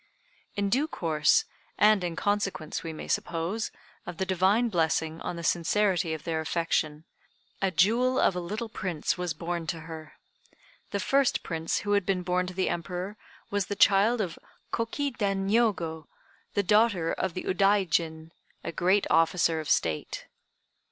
In due course, and in consequence, we may suppose, of the Divine blessing on the sincerity of their affection, a jewel of a little prince was born to her. The first prince who had been born to the Emperor was the child of Koki den Niogo, the daughter of the Udaijin (a great officer of State).